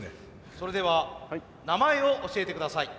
それでは名前を教えてください。